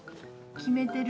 決めてるの？